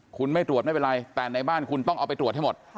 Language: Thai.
คุณไม่ตรวจไม่เป็นไรแต่ในบ้านคุณต้องเอาไปตรวจให้หมด